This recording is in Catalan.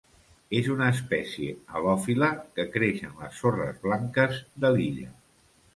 És una espècie halòfila que creix en les sorres blanques de l'illa.